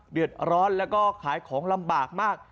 เดือดร้อนแล้วก็ขายของลำบากมาก